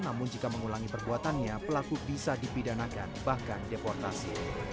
namun jika mengulangi perbuatannya pelaku bisa dipidanakan bahkan deportasi